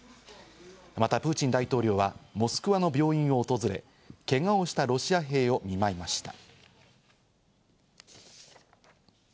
またプーチン大統領はモスクワの病院を訪れ、けがをしたロシア兵を見舞いました。